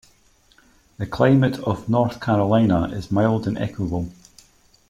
The climate of North Carolina is mild and equable.